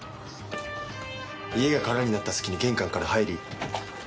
家が空になった隙に玄関から入り。